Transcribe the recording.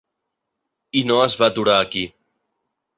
I no es va aturar aquí.